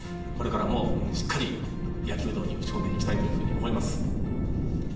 これからもしっかり、野球道に打ち込んでいきたいというふうに思います。